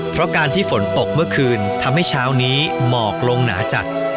เพราะการที่ฝนตกเมื่อคืนทำให้เช้านี้หมอกลงหนาจัด